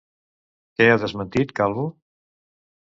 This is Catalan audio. Què ha desmentit Calvo?